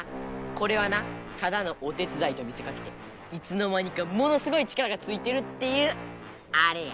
これはなただのお手つだいと見せかけていつの間にかものすごい力がついてるっていうアレや。